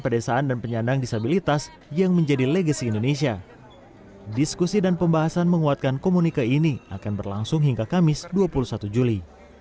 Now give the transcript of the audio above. diskusi dan pembahasan menguatkan komunike ini akan berlangsung hingga kamis dua puluh satu juli